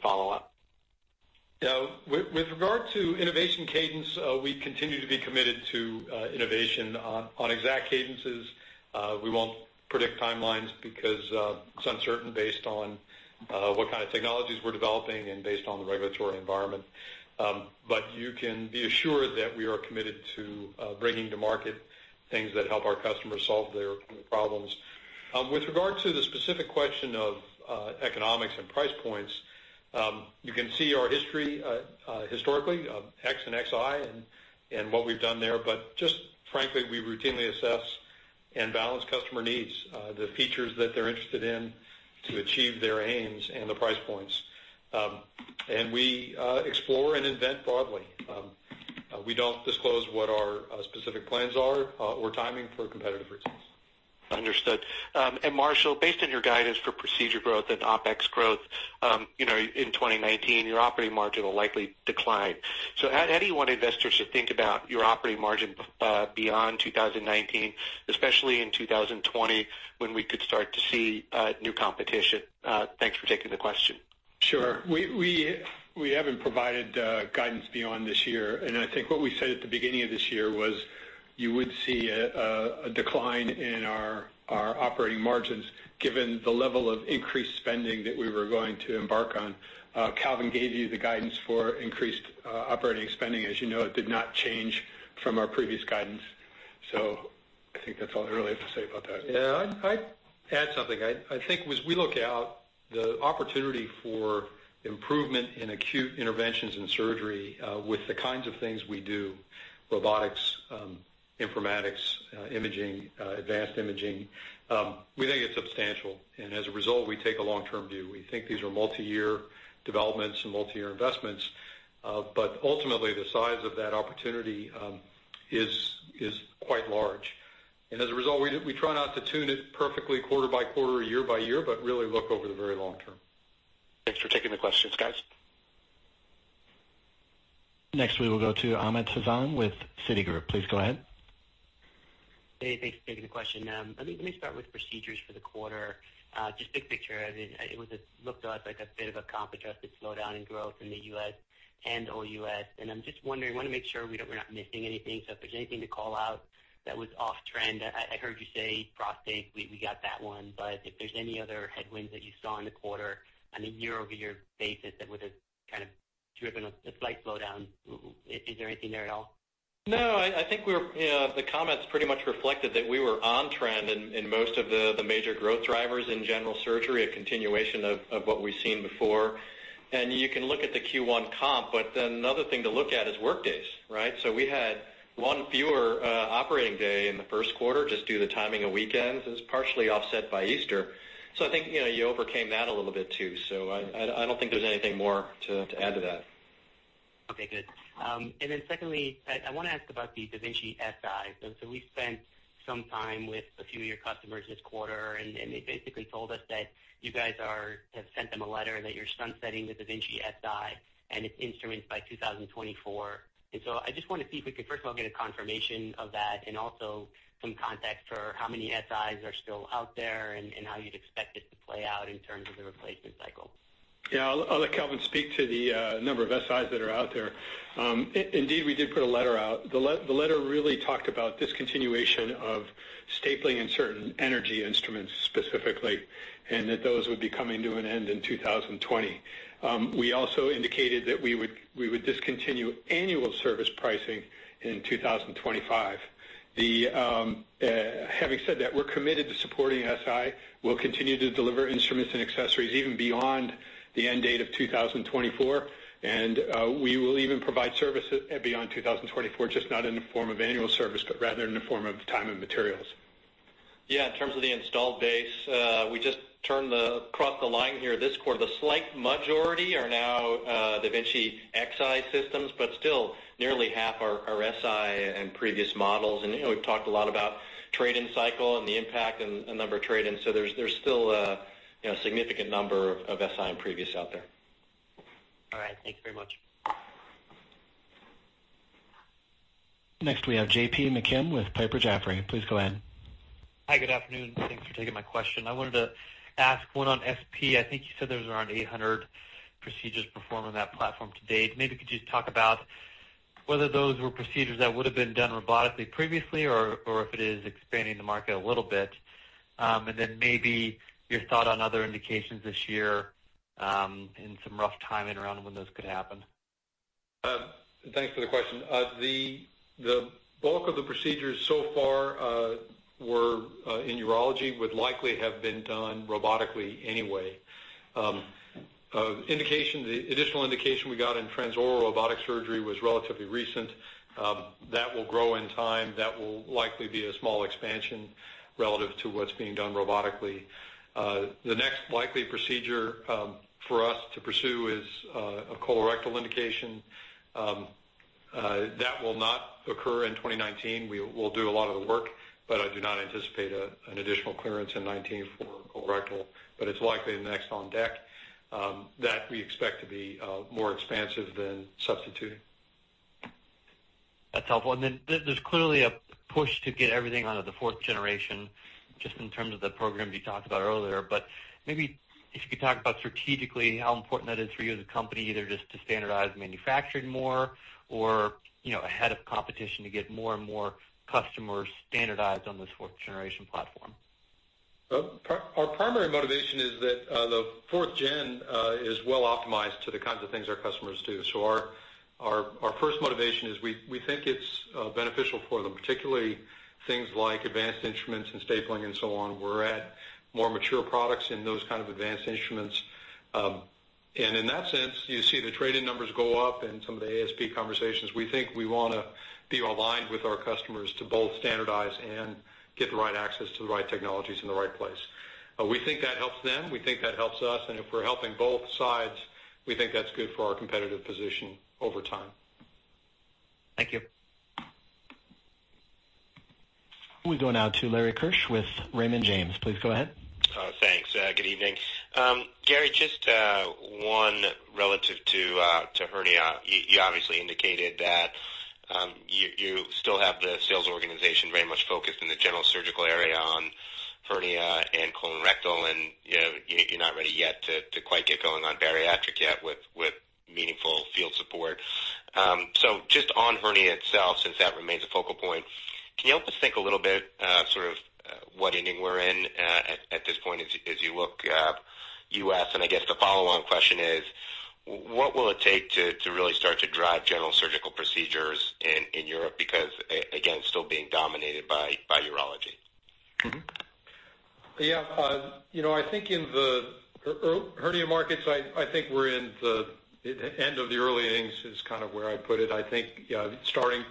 follow-up. With regard to innovation cadence, we continue to be committed to innovation. On exact cadences, we won't predict timelines because it's uncertain based on what kind of technologies we're developing and based on the regulatory environment. You can be assured that we are committed to bringing to market things that help our customers solve their problems. With regard to the specific question of economics and price points, you can see our history historically, X and Xi, and what we've done there. Just frankly, we routinely assess and balance customer needs, the features that they're interested in to achieve their aims, and the price points. We explore and invent broadly. We don't disclose what our specific plans are or timing for competitive reasons. Understood. Marshall, based on your guidance for procedure growth and OpEx growth in 2019, your operating margin will likely decline. How do you want investors to think about your operating margin beyond 2019, especially in 2020 when we could start to see new competition? Thanks for taking the question. Sure. We haven't provided guidance beyond this year. I think what we said at the beginning of this year was you would see a decline in our operating margins given the level of increased spending that we were going to embark on. Calvin gave you the guidance for increased operating spending. As you know, it did not change from our previous guidance. I think that's all I really have to say about that. Yeah. I'd add something. I think as we look out, the opportunity for improvement in acute interventions in surgery with the kinds of things we do, robotics, informatics, imaging, advanced imaging, we think it's substantial. As a result, we take a long-term view. We think these are multi-year developments and multi-year investments. Ultimately, the size of that opportunity is quite large. As a result, we try not to tune it perfectly quarter by quarter or year by year, but really look over the very long term. Thanks for taking the questions, guys. Next we will go to Amit Hazan with Citigroup. Please go ahead. Hey, thanks for taking the question. Let me start with procedures for the quarter. Just big picture, it looked like a bit of a comp adjusted slowdown in growth in the U.S. and OUS. I'm just wondering, want to make sure we're not missing anything. If there's anything to call out that was off trend. I heard you say prostate, we got that one. If there's any other headwinds that you saw in the quarter on a year-over-year basis that would have kind of driven a slight slowdown. Is there anything there at all? No, I think the comments pretty much reflected that we were on trend in most of the major growth drivers in general surgery, a continuation of what we've seen before. You can look at the Q1 comp, another thing to look at is workdays, right? We had one fewer operating day in the first quarter, just due to the timing of weekends. It was partially offset by Easter. I think you overcame that a little bit too. I don't think there's anything more to add to that. Okay, good. Secondly, I want to ask about the da Vinci Si. We spent some time with a few of your customers this quarter. They basically told us that you guys have sent them a letter that you're sunsetting the da Vinci Si and its instruments by 2024. I just want to see if we could first of all get a confirmation of that and also some context for how many Sis are still out there and how you'd expect it to play out in terms of the replacement cycle. Yeah, I'll let Calvin speak to the number of Sis that are out there. Indeed, we did put a letter out. The letter really talked about discontinuation of stapling and certain energy instruments specifically. Those would be coming to an end in 2020. We also indicated that we would discontinue annual service pricing in 2025. Having said that, we're committed to supporting Si. We'll continue to deliver instruments and accessories even beyond the end date of 2024. We will even provide service beyond 2024, just not in the form of annual service, but rather in the form of time and materials. Yeah. In terms of the installed base, we just turned across the line here this quarter. The slight majority are now da Vinci Xi systems. Still nearly half are Si and previous models. We've talked a lot about trade-in cycle and the impact and number of trade-ins. There's still a significant number of Si and previous out there. All right. Thank you very much. Next we have JP McKim with Piper Jaffray. Please go ahead. Hi, good afternoon. Thanks for taking my question. I wanted to ask one on SP. I think you said there was around 800 procedures performed on that platform to date. Maybe could you talk about whether those were procedures that would have been done robotically previously or if it is expanding the market a little bit? Maybe your thought on other indications this year, and some rough timing around when those could happen. Thanks for the question. The bulk of the procedures so far were in urology, would likely have been done robotically anyway. The additional indication we got in transoral robotic surgery was relatively recent. That will grow in time. That will likely be a small expansion relative to what's being done robotically. The next likely procedure for us to pursue is a colorectal indication. That will not occur in 2019. We will do a lot of the work, but I do not anticipate an additional clearance in 2019 for colorectal, but it's likely next on deck. That we expect to be more expansive than substituting. That's helpful. There's clearly a push to get everything onto the fourth-generation, just in terms of the programs you talked about earlier. Maybe if you could talk about strategically how important that is for you as a company, either just to standardize manufacturing more or ahead of competition to get more and more customers standardized on this fourth-generation platform. Our primary motivation is that the fourth-gen is well optimized to the kinds of things our customers do. Our first motivation is we think it's beneficial for them, particularly things like advanced instruments and stapling and so on. We're at more mature products in those kind of advanced instruments. In that sense, you see the trade-in numbers go up and some of the ASP conversations. We think we want to be aligned with our customers to both standardize and get the right access to the right technologies in the right place. We think that helps them. We think that helps us. If we're helping both sides, we think that's good for our competitive position over time. Thank you. We go now to Lawrence Keusch with Raymond James. Please go ahead. Thanks. Good evening. Gary, just one relative to hernia. You obviously indicated that you still have the sales organization very much focused in the general surgical area on hernia and colorectal, and you're not ready yet to quite get going on bariatric yet with meaningful field support. Just on hernia itself, since that remains a focal point, can you help us think a little bit sort of what inning we're in at this point as you look up U.S.? I guess the follow-on question is, what will it take to really start to drive general surgical procedures in Europe? Because again, still being dominated by urology. Yeah. I think in the hernia markets, I think we're in the end of the early innings is kind of where I'd put it. I think starting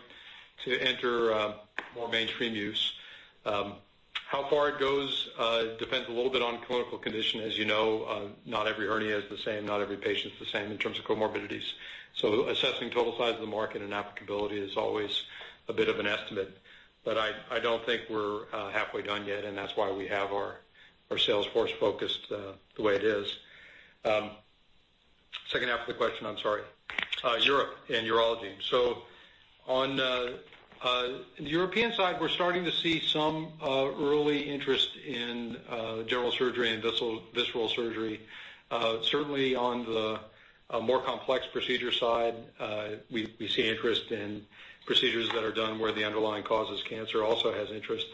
to enter more mainstream use. How far it goes depends a little bit on clinical condition. As you know, not every hernia is the same, not every patient's the same in terms of comorbidities. Assessing total size of the market and applicability is always a bit of an estimate. I don't think we're halfway done yet, and that's why we have our sales force focused the way it is. Second half of the question, I'm sorry. Europe and urology. On the European side, we're starting to see some early interest in general surgery and visceral surgery. Certainly, on the more complex procedure side, we see interest in procedures that are done where the underlying cause is cancer also has interest.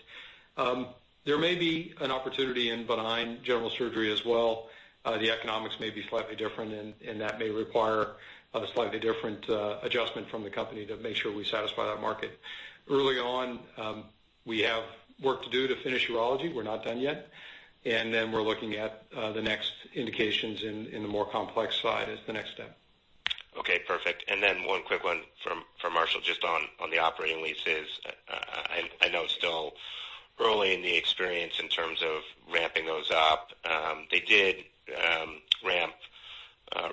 There may be an opportunity in behind general surgery as well. The economics may be slightly different, and that may require a slightly different adjustment from the company to make sure we satisfy that market. Early on, we have work to do to finish urology. We're not done yet. We're looking at the next indications in the more complex side as the next step. Okay, perfect. One quick one for Marshall, just on the operating leases. I know it's still early in the experience in terms of ramping those up. They did ramp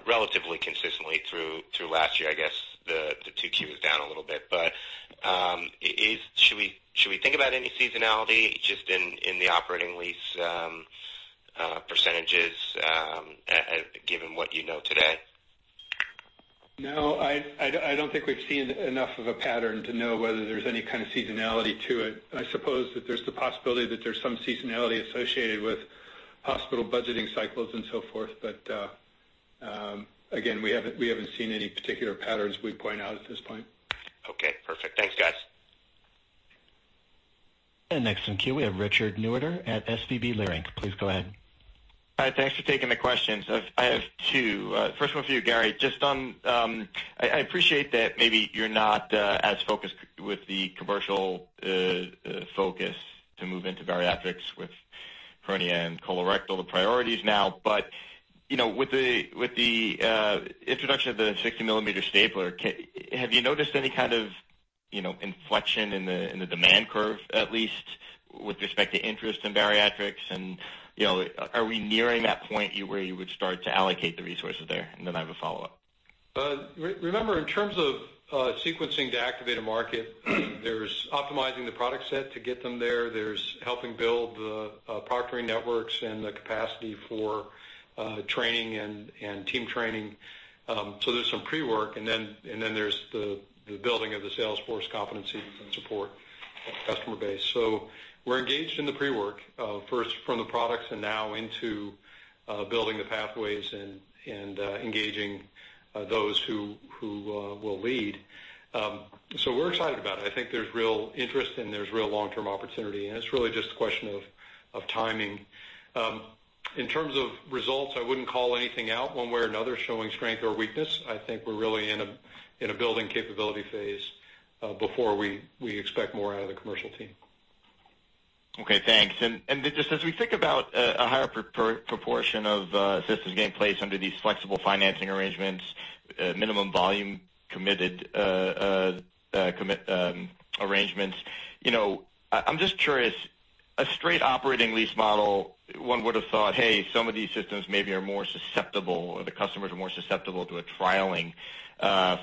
relatively consistently through last year. I guess the 2Q was down a little bit. Should we think about any seasonality just in the operating lease percentages, given what you know today? No, I don't think we've seen enough of a pattern to know whether there's any kind of seasonality to it. I suppose that there's the possibility that there's some seasonality associated with hospital budgeting cycles and so forth. Again, we haven't seen any particular patterns we'd point out at this point. Okay, perfect. Thanks, guys. Next in queue, we have Richard Newitter at SVB Leerink. Please go ahead. Hi, thanks for taking the questions. I have two. First one for you, Gary. I appreciate that maybe you're not as focused with the commercial focus to move into bariatrics with hernia and colorectal the priorities now. With the introduction of the 60-millimeter stapler, have you noticed any kind of inflection in the demand curve, at least with respect to interest in bariatrics? Are we nearing that point where you would start to allocate the resources there? Then I have a follow-up. Remember, in terms of sequencing to activate a market, there's optimizing the product set to get them there. There's helping build the proctoring networks and the capacity for training and team training. There's some pre-work, then there's the building of the sales force competency and support customer base. We're engaged in the pre-work, first from the products and now into building the pathways and engaging those who will lead. We're excited about it. I think there's real interest and there's real long-term opportunity, and it's really just a question of timing. In terms of results, I wouldn't call anything out one way or another showing strength or weakness. I think we're really in a building capability phase before we expect more out of the commercial team. Okay, thanks. Just as we think about a higher proportion of systems being placed under these flexible financing arrangements, minimum volume committed arrangements, I'm just curious, a straight operating lease model, one would've thought, hey, some of these systems maybe are more susceptible or the customers are more susceptible to a trialing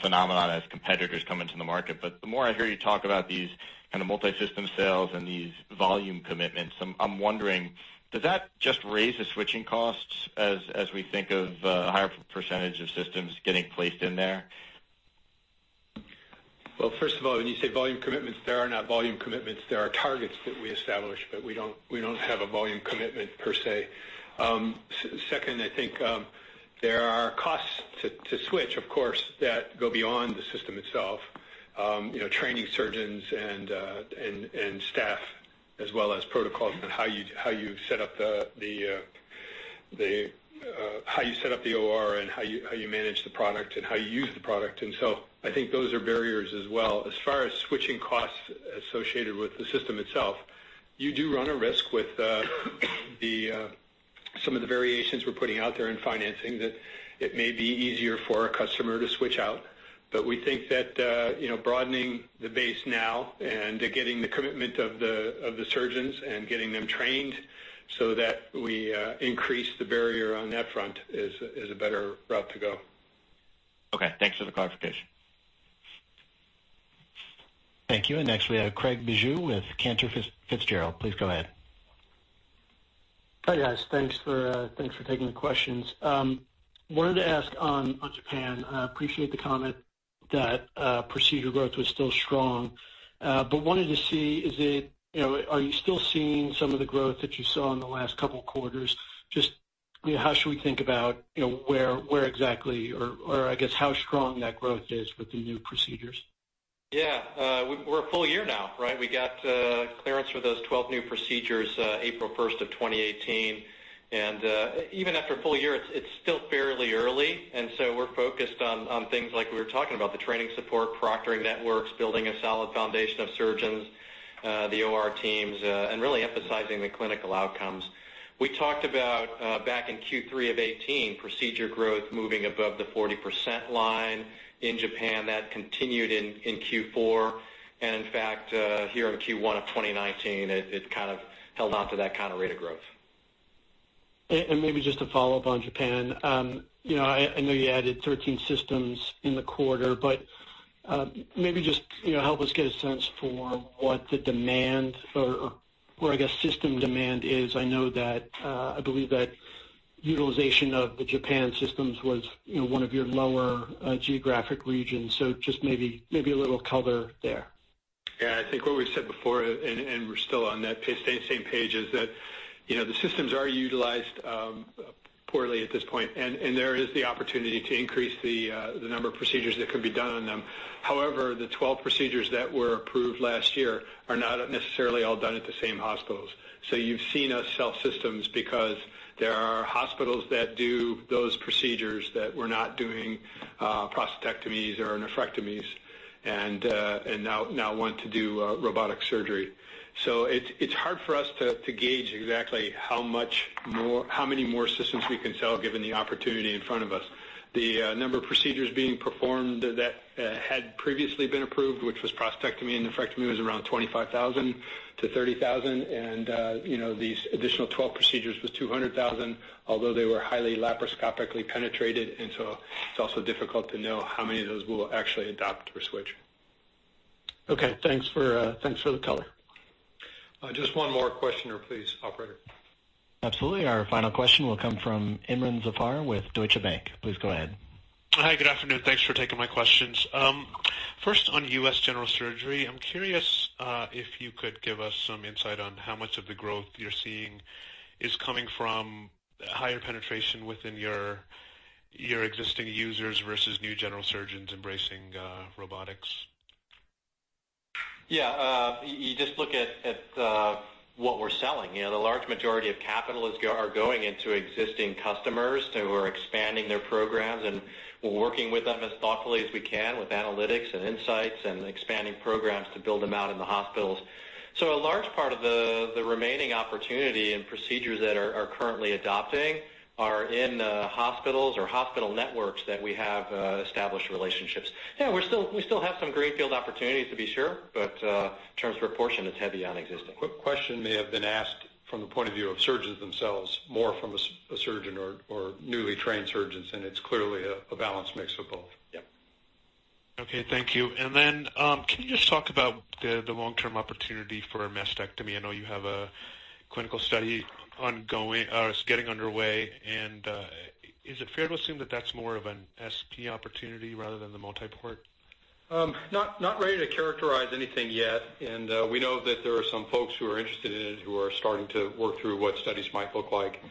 phenomenon as competitors come into the market. The more I hear you talk about these kind of multi-system sales and these volume commitments, I'm wondering, does that just raise the switching costs as we think of a higher percentage of systems getting placed in there? Well, first of all, when you say volume commitments, there are not volume commitments. There are targets that we establish, but we don't have a volume commitment per se. Second, I think there are costs to switch, of course, that go beyond the system itself. Training surgeons and staff as well as protocols on how you set up the OR and how you manage the product and how you use the product. I think those are barriers as well. As far as switching costs associated with the system itself, you do run a risk with some of the variations we're putting out there in financing that it may be easier for a customer to switch out. We think that broadening the base now and getting the commitment of the surgeons and getting them trained so that we increase the barrier on that front is a better route to go. Okay. Thanks for the clarification. Thank you. Next we have Craig Bijou with Cantor Fitzgerald. Please go ahead. Hi, guys. Thanks for taking the questions. Wanted to ask on Japan, appreciate the comment that procedure growth was still strong. Wanted to see, are you still seeing some of the growth that you saw in the last couple of quarters? Just how should we think about where exactly or I guess how strong that growth is with the new procedures? Yeah. We're a full year now, right? We got clearance for those 12 new procedures April 1st, 2018. Even after a full year, it's still fairly early, we're focused on things like we were talking about, the training support, proctoring networks, building a solid foundation of surgeons, the OR teams, and really emphasizing the clinical outcomes. We talked about, back in Q3 2018, procedure growth moving above the 40% line in Japan. That continued in Q4, in fact, here in Q1 2019, it kind of held onto that kind of rate of growth. Maybe just to follow up on Japan. I know you added 13 systems in the quarter. Maybe just help us get a sense for what the demand or system demand is. I believe that utilization of the Japan systems was one of your lower geographic regions, just maybe a little color there. Yeah, I think what we said before, we're still on that same page, is that the systems are utilized poorly at this point, there is the opportunity to increase the number of procedures that can be done on them. However, the 12 procedures that were approved last year are not necessarily all done at the same hospitals. You've seen us sell systems because there are hospitals that do those procedures that we're not doing prostatectomies or nephrectomies and now want to do robotic surgery. It's hard for us to gauge exactly how many more systems we can sell given the opportunity in front of us. The number of procedures being performed that had previously been approved, which was prostatectomy and nephrectomy, was around 25,000 to 30,000. These additional 12 procedures was 200,000, although they were highly laparoscopically penetrated, it's also difficult to know how many of those will actually adopt or switch. Okay, thanks for the color. Just one more questioner, please, operator. Absolutely. Our final question will come from Imron Zafar with Deutsche Bank. Please go ahead. Hi, good afternoon. Thanks for taking my questions. First, on U.S. general surgery, I'm curious if you could give us some insight on how much of the growth you're seeing is coming from higher penetration within your existing users versus new general surgeons embracing robotics. Yeah. You just look at what we're selling. The large majority of capital are going into existing customers who are expanding their programs, and we're working with them as thoughtfully as we can with analytics and insights and expanding programs to build them out in the hospitals. A large part of the remaining opportunity and procedures that are currently adopting are in hospitals or hospital networks that we have established relationships. Yeah, we still have some greenfield opportunities to be sure, but in terms of proportion, it's heavy on existing. Quick question may have been asked from the point of view of surgeons themselves, more from a surgeon or newly trained surgeons, and it's clearly a balanced mix of both. Yep. Okay, thank you. Can you just talk about the long-term opportunity for mastectomy? I know you have a clinical study getting underway, is it fair to assume that that's more of an SP opportunity rather than the multi-port? Not ready to characterize anything yet, we know that there are some folks who are interested in it who are starting to work through what studies might look like.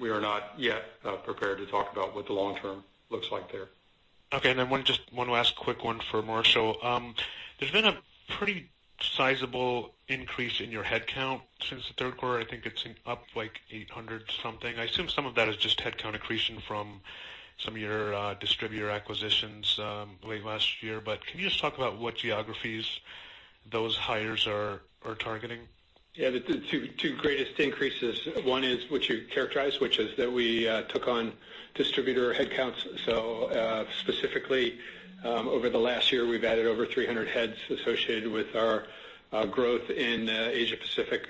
We are not yet prepared to talk about what the long term looks like there. Okay, just one last quick one for Marshall. There's been a pretty sizable increase in your headcount since the third quarter. I think it's up like 800 something. I assume some of that is just headcount accretion from some of your distributor acquisitions late last year, can you just talk about what geographies those hires are targeting? Yeah, the two greatest increases, one is what you characterized, which is that we took on distributor headcounts. Specifically, over the last year, we've added over 300 heads associated with our growth in Asia Pacific.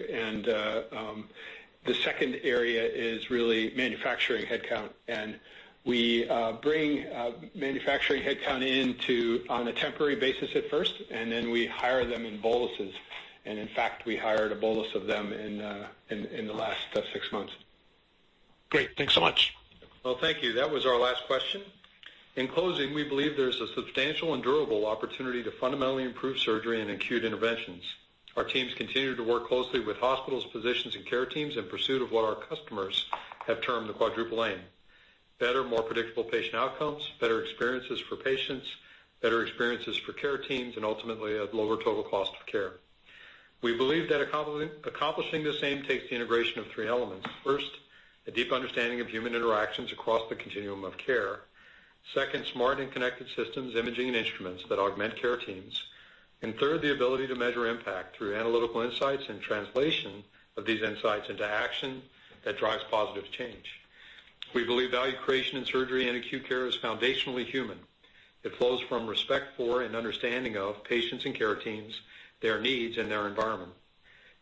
The second area is really manufacturing headcount. We bring manufacturing headcount in on a temporary basis at first, we hire them in boluses. In fact, we hired a bolus of them in the last six months. Great. Thanks so much. Well, thank you. That was our last question. In closing, we believe there is a substantial and durable opportunity to fundamentally improve surgery and acute interventions. Our teams continue to work closely with hospitals, physicians, and care teams in pursuit of what our customers have termed the Quadruple Aim: better, more predictable patient outcomes, better experiences for patients, better experiences for care teams, and ultimately, a lower total cost of care. We believe that accomplishing this aim takes the integration of three elements. First, a deep understanding of human interactions across the continuum of care. Second, smart and connected systems, imaging, and instruments that augment care teams. Third, the ability to measure impact through analytical insights and translation of these insights into action that drives positive change. We believe value creation in surgery and acute care is foundationally human. It flows from respect for and understanding of patients and care teams, their needs, and their environment.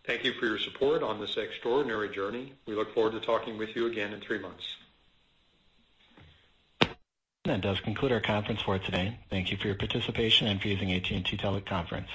Thank you for your support on this extraordinary journey. We look forward to talking with you again in three months. That does conclude our conference for today. Thank you for your participation and for using AT&T Teleconference.